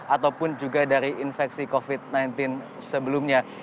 ataupun juga dari infeksi covid sembilan belas sebelumnya